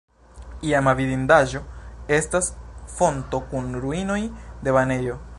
Iama vidindaĵo estas fonto kun ruinoj de banejo.